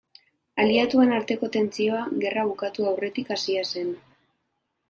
Aliatuen arteko tentsioa gerra bukatu aurretik hasia zen.